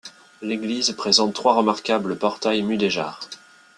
L'église présente trois remarquables portails mudéjar.